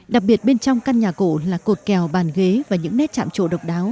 đặc biệt bên trong căn nhà cổ là cột kèo bàn ghế và những nét chạm trộn độc đáo